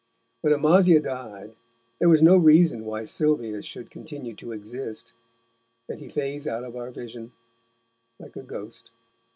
When Amasia died there was no reason why Sylvius should continue to exist, and he fades out of our vision like a ghost.